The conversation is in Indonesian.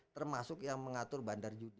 termasuk yang mengatur bandar judi